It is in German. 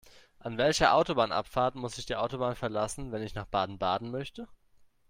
An welcher Autobahnabfahrt muss ich die Autobahn verlassen, wenn ich nach Baden-Baden möchte?